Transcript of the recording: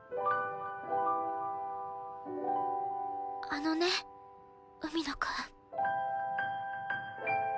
あのね海野くん。